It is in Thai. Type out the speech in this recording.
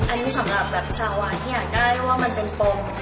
อันนี้สำหรับแบบสาวานที่อยากได้ว่ามันเป็นปม